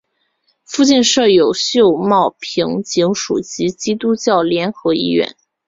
附近设有秀茂坪警署及基督教联合医院。